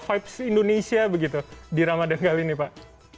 vibes indonesia begitu di ramadan kali ini pak